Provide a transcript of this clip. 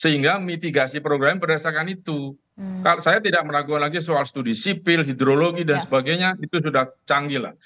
sehingga mitigasi program berdasarkan itu saya tidak meragukan lagi soal studi sipil hidrologi dan sebagainya itu sudah canggih lah